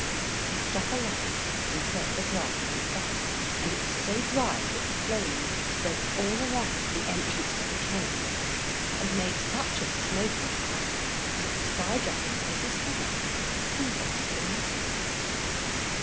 He struck a light, and set the grass on fire, and it was so dry that the flames spread all around the entrance to the cave, and made such a smoke and crackling that the sky dragon put his head out to see what was the matter.